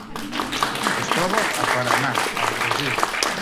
Es troba a Paraná, al Brasil.